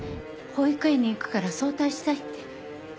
保育園に行くから早退したいって。